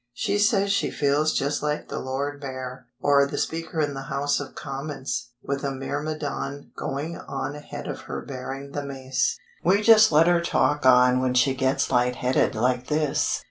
She says she feels just like the Lord Mayor, or the Speaker in the House of Commons, with a myrmidon going on ahead of her bearing the mace. We just let her talk on when she gets lightheaded like this.